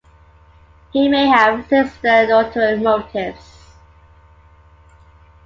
He may have sinister ulterior motives.